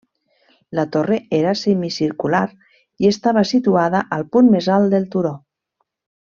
La torre era semicircular i estava situada al punt més alt del turó.